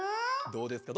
どうですか？